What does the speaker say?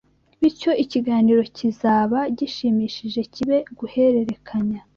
bityo ikiganiro kizaba gishimishije kibe guhererekanya